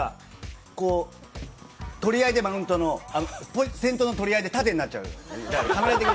マウント、先頭の取り合いで縦になっちゃう。